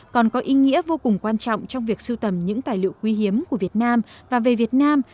còn có ý nghĩa vô cùng quan trọng trong việc sưu tầm những tài liệu quý hiếm của việt nam và về việt nam